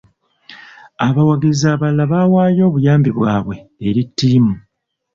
Abawagizi abalala bawaayo obuyambi bwabwe eri ttiimu.